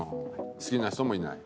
好きな人もいない？